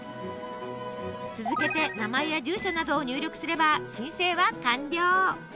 続けて名前や住所などを入力すれば申請は完了！